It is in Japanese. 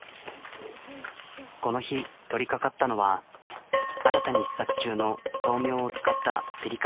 この日取りかかったのは新たに試作中の豆苗を使ったすると。